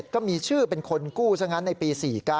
ก็มีชื่อเป็นคนกู้ซะงั้นในปี๔๙